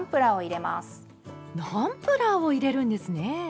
ナムプラーを入れるんですね！